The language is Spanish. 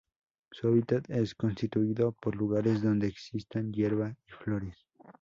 Su hábitat es constituido por lugares donde existan hierba y flores.